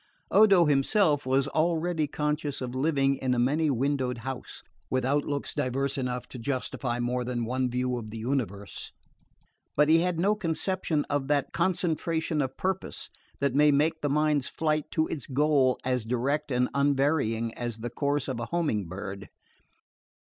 Odo himself was already conscious of living in a many windowed house, with outlooks diverse enough to justify more than one view of the universe; but he had no conception of that concentration of purpose that may make the mind's flight to its goal as direct and unvarying as the course of a homing bird.